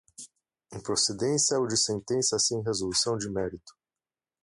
improcedência ou de sentença sem resolução de mérito